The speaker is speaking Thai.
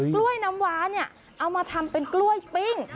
กล้วยน้ำว้าเนี่ยเอามาทำเป็นกล้วยปิ้ง